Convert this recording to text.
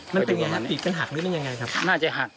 มันเป็นยังไงติดกันหักนิดนึงยังไงครับ